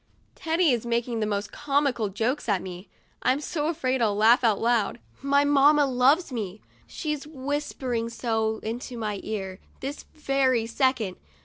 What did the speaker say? Teddy is making the most comical jokes at me; I'm so afraid I'll laugh out loud. My mamma loves me ; she's whispering so into my ear, this very second.